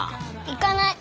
行かない。